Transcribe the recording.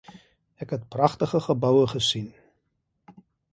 Ek het pragtige geboue gesien